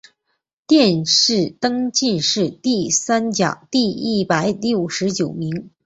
殿试登进士第三甲第一百六十九名。